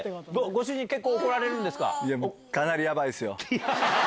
ご主人結構怒られるんですか？